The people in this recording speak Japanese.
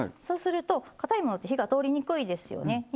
そうするとかたいものって火が通りにくいですよね。